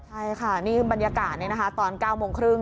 ใช่ค่ะนี่บรรยากาศตอน๙โมงครึ่ง